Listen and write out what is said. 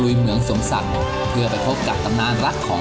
ก็เป็นบริเวณของประเทศเพื่อนบ้านอิตองจากด้านหลังผมเนี่ยนะครับ